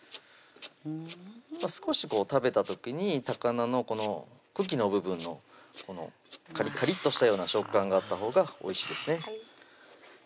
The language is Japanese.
少しこう食べた時に高菜のこの茎の部分のこのかりかりとしたような食感があったほうがおいしいですね